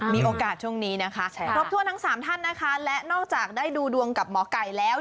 มีโอกาสช่วงนี้นะคะครบถ้วนทั้งสามท่านนะคะและนอกจากได้ดูดวงกับหมอไก่แล้ว